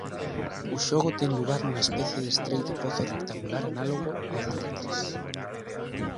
O xogo ten lugar nunha especie de estreito pozo rectangular análogo ao de "Tetris".